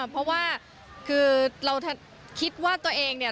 เพราะว่าคือเราคิดว่าตัวเองเนี่ย